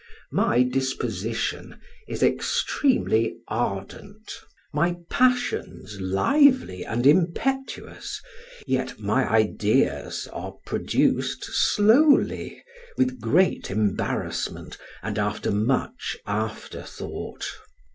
My disposition is extremely ardent, my passions lively and impetuous, yet my ideas are produced slowly, with great embarrassment and after much afterthought.